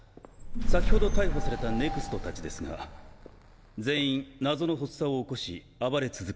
先ほど逮捕されたＮＥＸＴたちですが「全員謎の発作を起こし暴れ続け